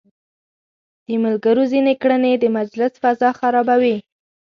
د ملګرو ځينې کړنې د مجلس فضا خرابوي.